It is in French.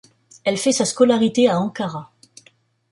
Elle fait sa scolarité à Ankara.